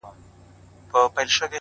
د زړه جيب كي يې ساتم انځورونه ـگلابونه ـ